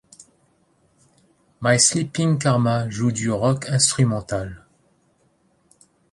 My Sleeping Karma joue du rock instrumental.